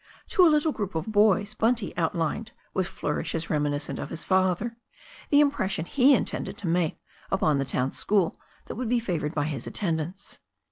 To a little group of boys Bunty outlined with flourishes reminiscent of his father the impression he intended to make upon the town school that would be favoured by his attend ance.